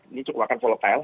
ini cukup akan volatile